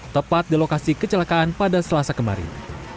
tepat di lokasi kecelakaan pada selasa kemarin